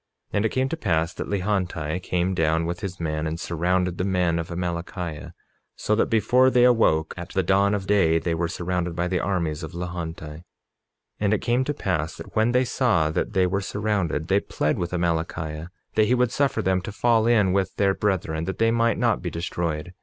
47:14 And it came to pass that Lehonti came down with his men and surrounded the men of Amalickiah, so that before they awoke at the dawn of day they were surrounded by the armies of Lehonti. 47:15 And it came to pass that when they saw that they were surrounded, they plead with Amalickiah that he would suffer them to fall in with their brethren, that they might not be destroyed.